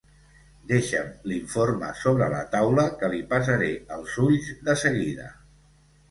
Deixa'm l'informe sobre la taula que li passaré els ulls de seguida.